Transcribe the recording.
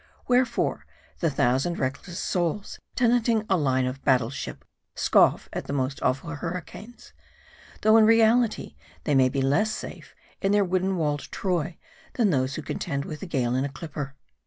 Wherefore, the thousand reckless souls tenanting a line of battle ship scoff at the most awful hurricanes ; though, in reality, they may be less safe in their wooden walled Troy, than those who contend with the gale in a clipper.